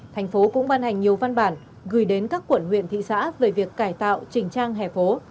thành phố cũng ban hành nhiều văn bản gửi đến các quận huyện thị xã về việc cải tạo chỉnh trang hẻ phố